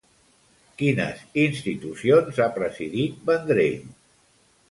Quines institucions ha presidit Vendrell?